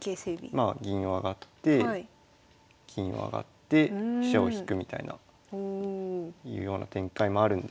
でまあ銀を上がって金を上がって飛車を引くみたいないうような展開もあるんですけど。